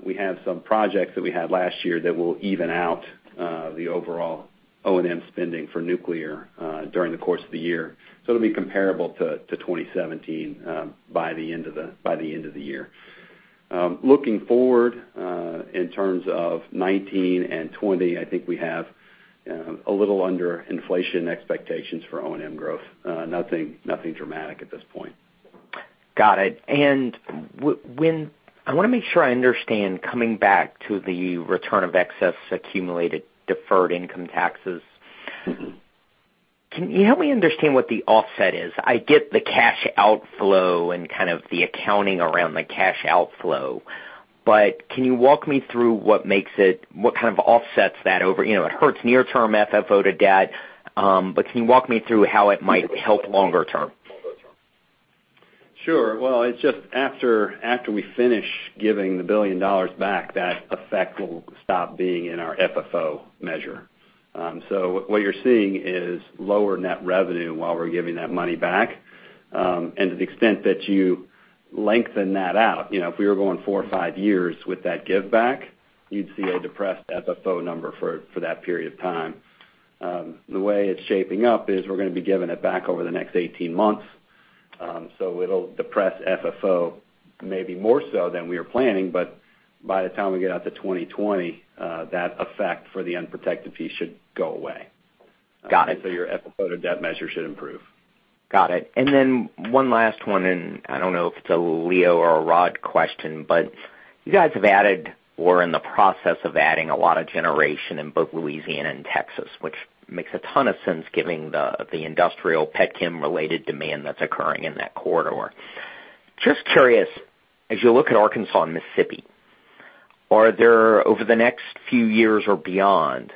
Speaker 4: we have some projects that we had last year that will even out the overall O&M spending for nuclear during the course of the year. It'll be comparable to 2017 by the end of the year. Looking forward, in terms of 2019 and 2020, I think we have a little under inflation expectations for O&M growth. Nothing dramatic at this point.
Speaker 13: Got it. I want to make sure I understand, coming back to the return of excess Accumulated Deferred Income Taxes. Can you help me understand what the offset is? I get the cash outflow and kind of the accounting around the cash outflow, but can you walk me through what makes it, what kind of offsets that? It hurts near-term FFO to debt, but can you walk me through how it might help longer term?
Speaker 4: Sure. It's just after we finish giving the $1 billion back, that effect will stop being in our FFO measure. What you're seeing is lower net revenue while we're giving that money back. To the extent that you lengthen that out, if we were going four or five years with that give back, you'd see a depressed FFO number for that period of time. The way it's shaping up is we're going to be giving it back over the next 18 months. It'll depress FFO maybe more so than we were planning, but by the time we get out to 2020, that effect for the unprotected piece should go away.
Speaker 13: Got it.
Speaker 4: Your FFO to debt measure should improve.
Speaker 13: Got it. One last one, I don't know if it's a Leo or a Rod question, but you guys have added or are in the process of adding a lot of generation in both Louisiana and Texas, which makes a ton of sense giving the industrial pet chem related demand that's occurring in that corridor. Just curious, as you look at Arkansas and Mississippi, are there, over the next few years or beyond,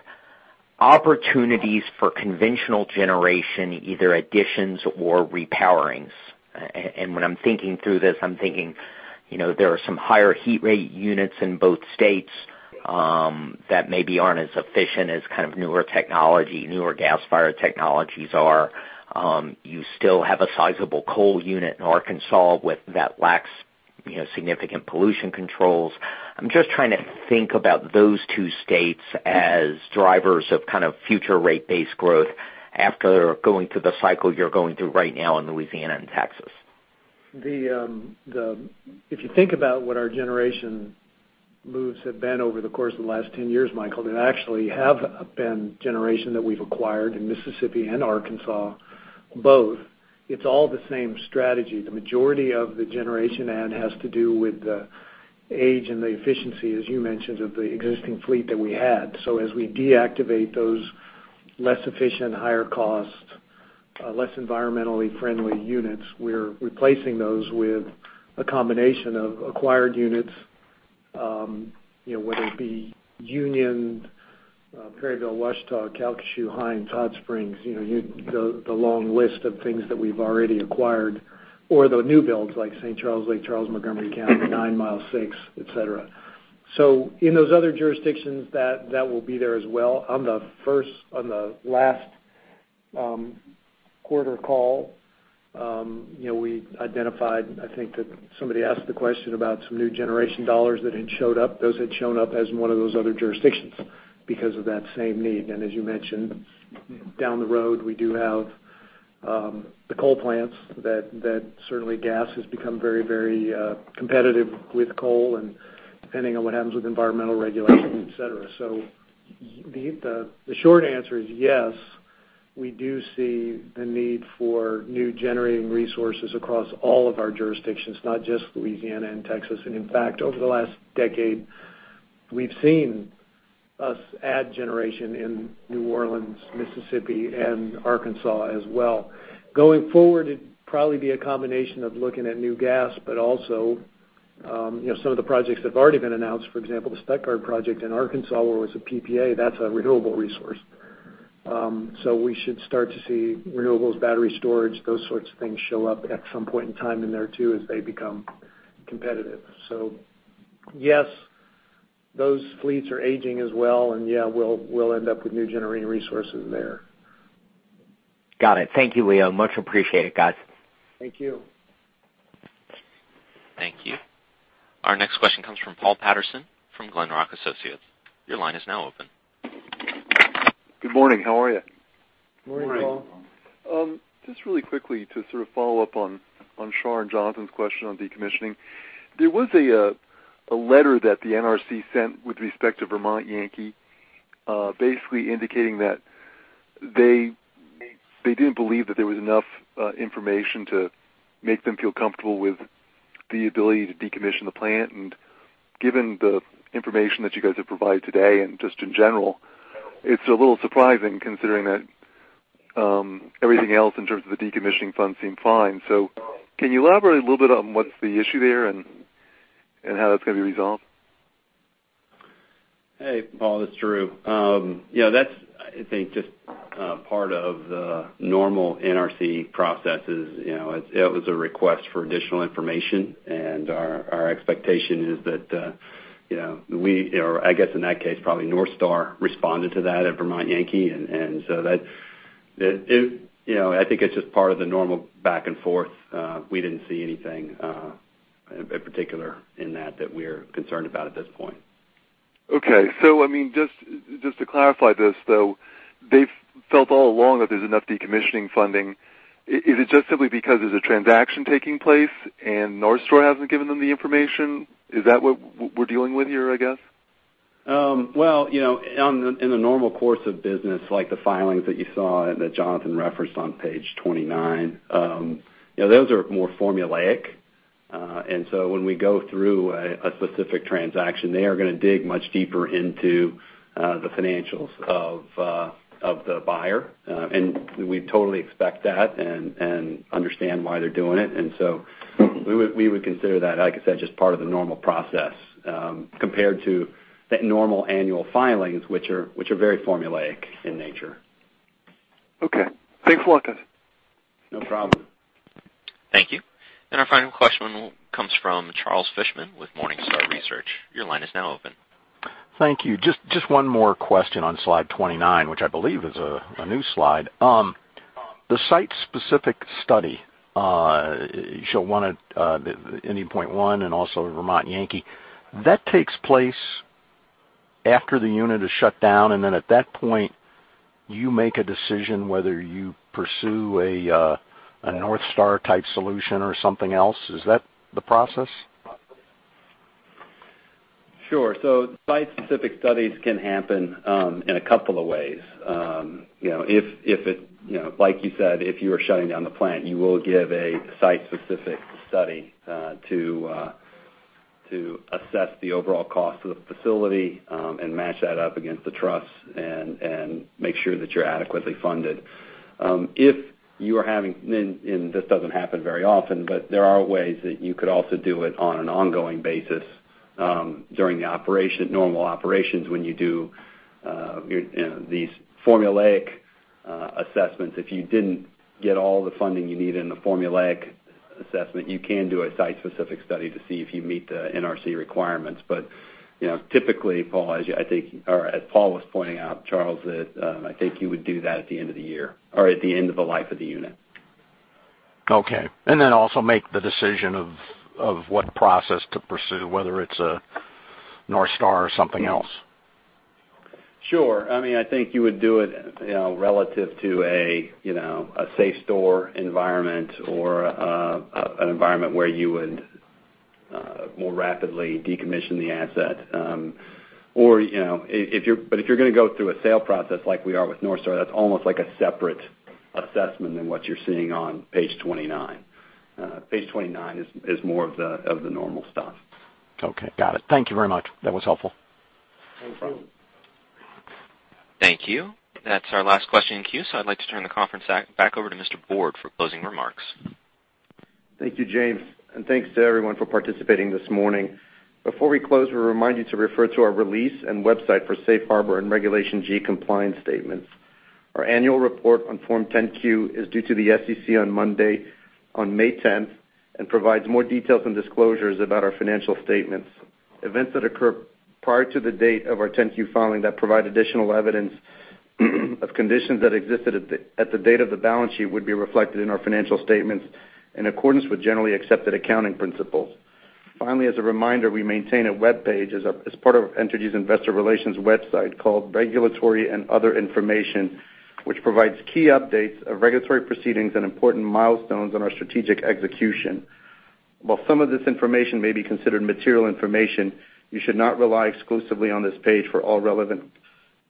Speaker 13: opportunities for conventional generation, either additions or repowerings? When I'm thinking through this, I'm thinking there are some higher heat rate units in both states that maybe aren't as efficient as kind of newer technology, newer gas-fired technologies are. You still have a sizable coal unit in Arkansas that lacks significant pollution controls. I'm just trying to think about those two states as drivers of kind of future rate base growth after going through the cycle you're going through right now in Louisiana and Texas.
Speaker 3: If you think about what our generation moves have been over the course of the last 10 years, Michael, they actually have been generation that we've acquired in Mississippi and Arkansas both. It's all the same strategy. The majority of the generation add has to do with the age and the efficiency, as you mentioned, of the existing fleet that we had. As we deactivate those less efficient, higher cost, less environmentally friendly units, we're replacing those with a combination of acquired units, whether it be Union, Perryville, Ouachita, Calcasieu, Hinds, Hot Springs, the long list of things that we've already acquired, or the new builds like St. Charles, Lake Charles, Montgomery County, Ninemile 6, et cetera. In those other jurisdictions, that will be there as well. On the last quarter call, we identified, I think that somebody asked the question about some new generation dollars that had showed up. Those had shown up as one of those other jurisdictions because of that same need. As you mentioned, down the road, we do have the coal plants that certainly gas has become very competitive with coal and depending on what happens with environmental regulation, et cetera. The short answer is yes, we do see the need for new generating resources across all of our jurisdictions, not just Louisiana and Texas. In fact, over the last decade, we've seen us add generation in New Orleans, Mississippi, and Arkansas as well. Going forward, it'd probably be a combination of looking at new gas, but also some of the projects that have already been announced. For example, the Stuttgart project in Arkansas, where it was a PPA, that's a renewable resource. We should start to see renewables, battery storage, those sorts of things show up at some point in time in there too, as they become competitive. Yes, those fleets are aging as well. Yeah, we'll end up with new generating resources there.
Speaker 13: Got it. Thank you, Leo. Much appreciated, guys.
Speaker 2: Thank you.
Speaker 1: Thank you. Our next question comes from Paul Patterson from Glenrock Associates. Your line is now open.
Speaker 14: Good morning. How are you?
Speaker 2: Morning.
Speaker 4: Morning.
Speaker 14: Just really quickly to sort of follow up on Shar and Jonathan's question on decommissioning. There was a letter that the NRC sent with respect to Vermont Yankee, basically indicating that they didn't believe that there was enough information to make them feel comfortable with the ability to decommission the plant. Given the information that you guys have provided today, and just in general, it's a little surprising considering that everything else in terms of the decommissioning funds seem fine. Can you elaborate a little bit on what's the issue there and how that's going to be resolved?
Speaker 4: Hey, Paul, it's Drew. Yeah, that's, I think, just part of the normal NRC processes. It was a request for additional information. Our expectation is that we, or I guess in that case, probably NorthStar responded to that at Vermont Yankee. I think it's just part of the normal back and forth. We didn't see anything in particular in that we're concerned about at this point.
Speaker 14: Okay. Just to clarify this, though, they've felt all along that there's enough decommissioning funding. Is it just simply because there's a transaction taking place and NorthStar hasn't given them the information? Is that what we're dealing with here, I guess?
Speaker 4: Well, in the normal course of business, like the filings that you saw that Jonathan referenced on page 29, those are more formulaic. When we go through a specific transaction, they are going to dig much deeper into the financials of the buyer. We totally expect that and understand why they're doing it. We would consider that, like I said, just part of the normal process, compared to the normal annual filings, which are very formulaic in nature.
Speaker 14: Okay. Thanks a lot, guys.
Speaker 4: No problem.
Speaker 1: Thank you. Our final question comes from Charles Fishman with Morningstar Research. Your line is now open.
Speaker 15: Thank you. Just one more question on slide 29, which I believe is a new slide. The site-specific study, you show one at Indian Point 1 and also Vermont Yankee. That takes place after the unit is shut down, and then at that point, you make a decision whether you pursue a NorthStar type solution or something else. Is that the process?
Speaker 4: Sure. Site-specific studies can happen in a couple of ways. Like you said, if you are shutting down the plant, you will give a site-specific study to assess the overall cost of the facility, and match that up against the trusts and make sure that you're adequately funded. If you are having, and this doesn't happen very often, but there are ways that you could also do it on an ongoing basis during normal operations when you do these formulaic assessments. If you didn't get all the funding you need in the formulaic assessment, you can do a site-specific study to see if you meet the NRC requirements. Typically, as Paul was pointing out, Charles, I think you would do that at the end of the year or at the end of the life of the unit.
Speaker 15: Okay, also make the decision of what process to pursue, whether it's NorthStar or something else.
Speaker 4: Sure. I think you would do it relative to a safe store environment or an environment where you would more rapidly decommission the asset. If you're going to go through a sale process like we are with NorthStar, that's almost like a separate assessment than what you're seeing on page 29. Page 29 is more of the normal stuff.
Speaker 15: Okay, got it. Thank you very much. That was helpful.
Speaker 4: No problem.
Speaker 2: Thank you.
Speaker 1: Thank you. That's our last question in queue. I'd like to turn the conference back over to Mr. Borde for closing remarks.
Speaker 2: Thank you, James, and thanks to everyone for participating this morning. Before we close, we remind you to refer to our release and website for Safe Harbor and Regulation G compliance statements. Our annual report on Form 10-Q is due to the SEC on Monday on May 10th and provides more details and disclosures about our financial statements. Events that occur prior to the date of our 10-Q filing that provide additional evidence of conditions that existed at the date of the balance sheet would be reflected in our financial statements in accordance with generally accepted accounting principles. Finally, as a reminder, we maintain a webpage as part of Entergy's investor relations website called Regulatory and Other Information, which provides key updates of regulatory proceedings and important milestones on our strategic execution. While some of this information may be considered material information, you should not rely exclusively on this page for all relevant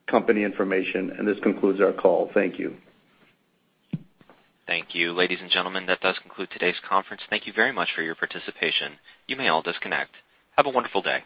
Speaker 2: company information. This concludes our call. Thank you.
Speaker 1: Thank you. Ladies and gentlemen, that does conclude today's conference. Thank you very much for your participation. You may all disconnect. Have a wonderful day.